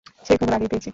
সে খবর আগেই পেয়েছি।